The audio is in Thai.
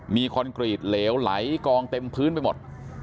มีคอนกรีตเหลวไหลกองเต็มพื้นไปหมด